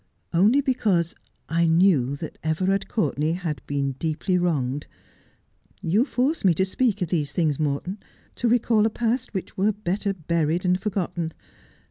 'Only because I knew that Everard Courtenay had been deeply wronged. You force me to speak of these things, Morton, to recall a past which were better buried and forgotten.